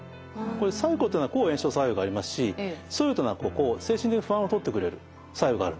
柴胡というのは抗炎症作用がありますし蘇葉というのは精神的不安をとってくれる作用があるんですね。